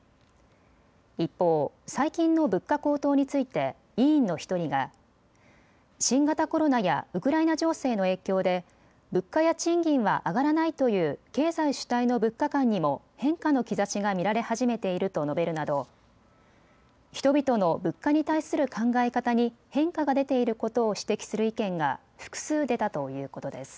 一方、最近の物価高騰について委員の１人が新型コロナやウクライナ情勢の影響で物価や賃金は上がらないという経済主体の物価観にも変化の兆しが見られ始めていると述べるなど人々の物価に対する考え方に変化が出ていることを指摘する意見が複数出たということです。